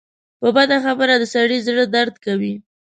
په بده خبره د سړي زړۀ دړد کوي